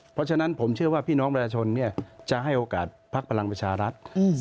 เพราะฉะนั้นผมเชื่อว่าพี่น้องประชาชนจะให้โอกาสพักพลังประชารัฐ